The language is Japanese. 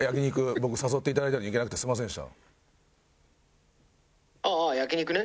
僕誘っていただいたのに行けなくてすみませんでした。